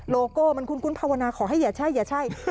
โลโก้มันคุ้นภาวนาขอให้อย่าใช่อย่าใช่